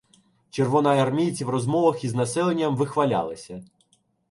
Червоноармійці в розмовах із населенням вихвалялися